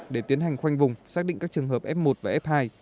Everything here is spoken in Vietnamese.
để tiến hành khoanh vùng xác định các trường hợp f một và f hai